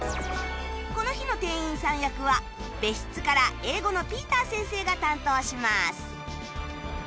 この日の店員さん役は別室から英語のピーター先生が担当します